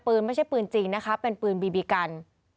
ไม่ใช่ปืนจริงนะคะเป็นปืนบีบีกัน